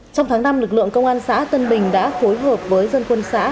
trong tháng năm lực lượng công an xã tân bình đã phối hợp với dân quân xã